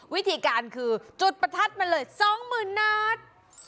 วิธีการคือจุดประทัดมาเลยสองหมื่นนอัน